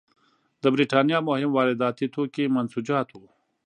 د برېټانیا مهم وارداتي توکي منسوجات وو.